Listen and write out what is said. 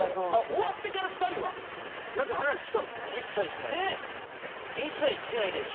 終わってから２人は何か話したん一切しないです。